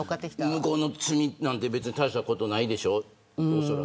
向こうの罪なんて別に大したことないでしょ。